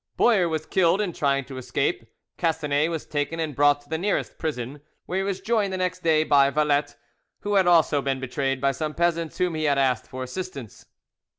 Boyer was killed in trying to escape; Castanet was taken and brought to the nearest prison, where he was joined the next day by Valette, who had also been betrayed by some peasants whom he had asked for assistance.